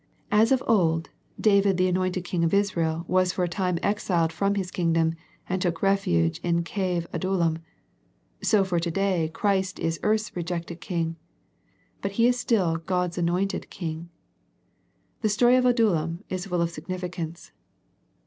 As of old, David the anointed king of Israel was for a time exiled from his kingdom, and took refuge in cave Adullam, so for to day Christ is earth's rejected King, but He is still God's anointed King. The story of Adullam is full of signifi cance.